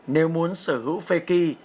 nếu muốn sở hữu fekir